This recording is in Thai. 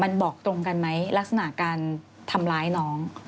มันบอกตรงกันไหมลักษณะการทำร้ายน้อง